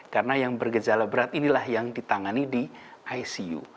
karena yang bergejala berat inilah yang ditangani di icu